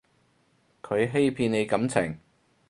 佢欺騙你感情